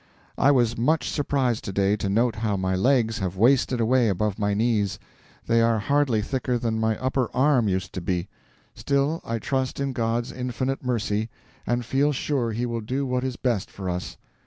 I was much surprised to day to note how my legs have wasted away above my knees: they are hardly thicker than my upper arm used to be. Still, I trust in God's infinite mercy, and feel sure he will do what is best for us.